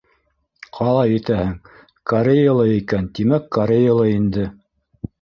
Ҡалай итәһең, кореялы икән, тимәк, кореялы инде.